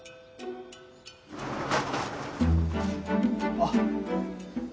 あっ。